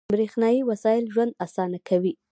• برېښنايي وسایل ژوند اسانه کوي.